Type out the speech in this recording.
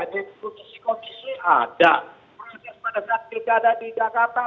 proses pada saat tidak ada di jakarta